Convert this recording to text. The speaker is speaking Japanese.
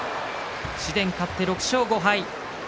紫雷、勝って６勝５敗。